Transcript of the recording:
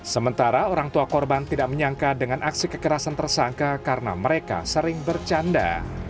sementara orang tua korban tidak menyangka dengan aksi kekerasan tersangka karena mereka sering bercanda